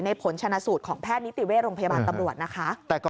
ผลชนะสูตรของแพทย์นิติเวชโรงพยาบาลตำรวจนะคะ